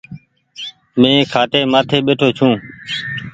مين کآٽي مآٿي ٻيٺو ڇو۔